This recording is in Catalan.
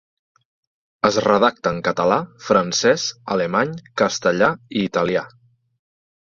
Es redacta en català, francès, alemany, castellà i italià.